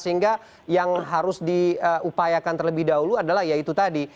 sehingga yang harus diupayakan terlebih dahulu adalah ya itu tadi